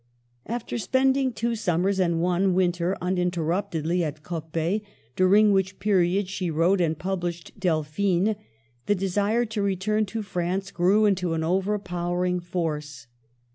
After spending two summers and one winter uninterruptedly at Coppet, during which period she wrote and published Delphine, the desire to return to France grew into an overpowering force.